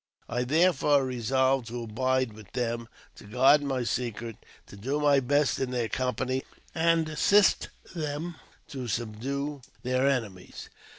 I therefore resolved to abide with them, to guard my secret, to do my best in their company, and in assisting them to subdue their enemies.